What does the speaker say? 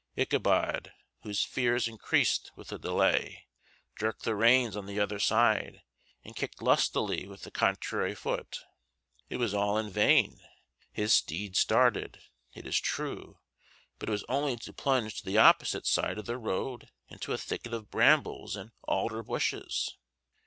Ichabod, whose fears increased with the delay, jerked the reins on the other side and kicked lustily with the contrary foot: it was all in vain; his steed started, it is true, but it was only to plunge to the opposite side of the road into a thicket of brambles and alder bushes.